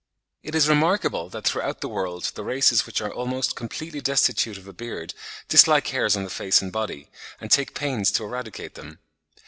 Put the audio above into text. It is remarkable that throughout the world the races which are almost completely destitute of a beard dislike hairs on the face and body, and take pains to eradicate them.